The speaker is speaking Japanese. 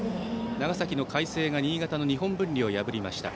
長崎の海星が新潟の日本文理を破りました。